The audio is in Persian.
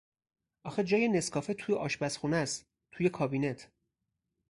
آخه جای نسکافه تو آشپزخونهاس، توی کابینت.